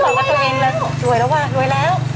บอกว่าตัวเองรวยแล้ว